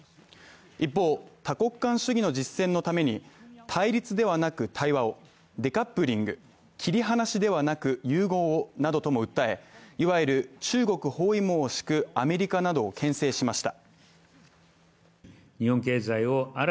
一方、多国間主義の実践のために、対立ではなく対話をデカップリング切り離しではなく融合をなどと訴え、いわゆる中国包囲網を敷くアメリカなどを牽制しました。